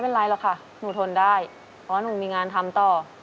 เพราะว่าหนูมีงานทำต่อ